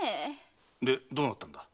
でどうなったんだ？